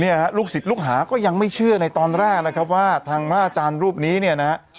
ลูกศิษย์ลูกหาก็ยังไม่เชื่อในตอนแรกนะครับว่าทางพระอาจารย์รูปนี้เนี่ยนะฮะ